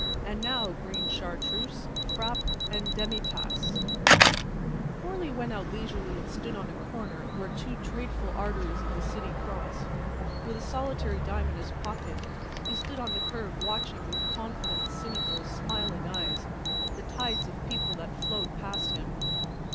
"And now, green Chartreuse, frappe and a demi tasse." Morley went out leisurely and stood on a corner where two tradeful arteries of the city cross. With a solitary dime in his pocket, he stood on the curb watching with confident, cynical, smiling eyes the tides of people that flowed past him.